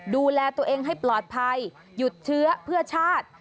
ดูแลตัวเองให้ปลอดภัยหยุดเชื้อเพื่อชาติ